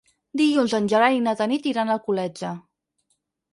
Dilluns en Gerai i na Tanit iran a Alcoletge.